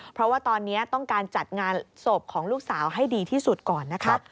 เพราะว่าตอนนี้ต้องการจัดงานศพของลูกสาวให้ดีที่สุดก่อนนะคะ